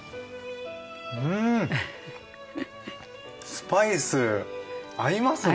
スパイス合いますね。